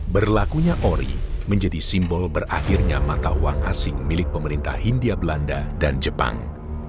berlakunya ori menjadi simbol berakhirnya mata uang asing